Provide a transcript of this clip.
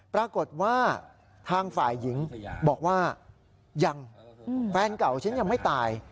ปรากฏว่าทางฝ่ายหญิงบอกว่ายังแฟนเก่าฉันยังไม่ตาย